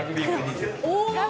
お。